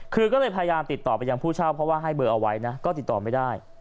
คือก็เลยพยายามติดต่อไปยังผู้เช่าเพราะว่าให้เบอร์เอาไว้นะก็ติดต่อไม่ได้